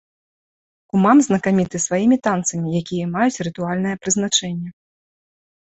Кумам знакаміты сваімі танцамі, якія маюць рытуальнае прызначэнне.